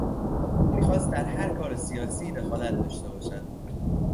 او میخواست در هر کار سیاسی دخالت داشته باشد.